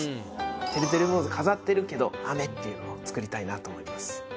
てるてる坊主飾ってるけど雨っていうのを作りたいなと思います。